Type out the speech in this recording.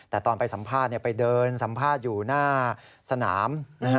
แต่ตอนไปสัมภาษณ์ไปเดินสัมภาษณ์อยู่หน้าสนาม